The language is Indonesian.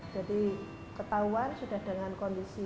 jadi ketahuan sudah dengan kondisi